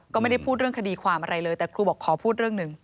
ก็ไม่ได้พูดเรื่องคดีความอะไรเลยแต่ครูบอกขอพูดเรื่องหนึ่ง